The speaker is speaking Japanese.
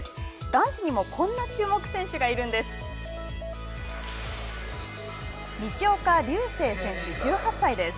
男子にもこんな注目選手がいるんです！